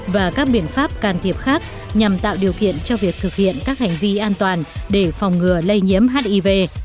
và các biện pháp can thiệp khác nhằm tạo điều kiện cho việc thực hiện các hành vi an toàn để phòng ngừa lây nhiễm hiv